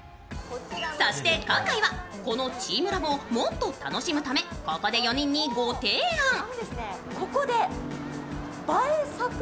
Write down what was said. そして今回はこのチームラボをもっと楽しむためここで４人にご提案。